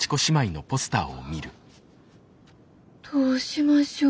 どうしましょう。